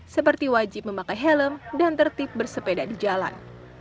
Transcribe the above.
seperti wajib memakai helm dan tertib bersepeda di jalan